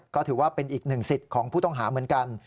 ก็ถือว่าเป็นอีกหนึ่งสิทธิ์ของผู้ต้องหาเหมือนกัน